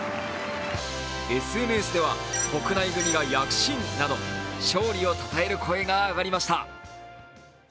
ＳＮＳでは、国内組が躍進など、勝利をたたえる声が上がりました。